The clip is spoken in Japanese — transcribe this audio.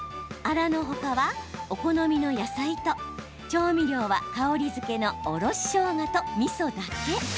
あらの他は、お好みの野菜と調味料は、香りづけのおろししょうがと、みそだけ。